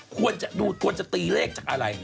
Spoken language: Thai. ควรจะดูควรจะตีเลขจากอะไร